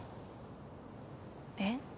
えっ？